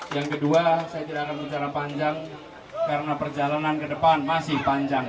yang kedua saya tidak akan bicara panjang karena perjalanan ke depan masih panjang